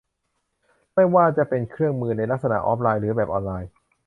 ไม่ว่าจะเป็นเครื่องมือในลักษณะออฟไลน์ หรือแบบออนไลน์